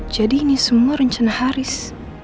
jadi ini semua rencana haris